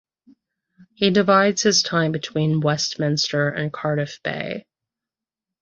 He divides his time between Westminster and Cardiff Bay.